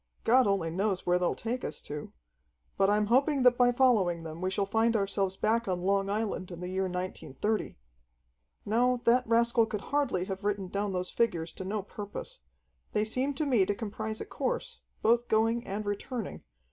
God only knows where they'll take us to. But I'm hoping that by following them we shall find ourselves back on Long Island in the year 1930. "No, that rascal could hardly have written down those figures to no purpose. They seem to me to comprise a course, both going and returning.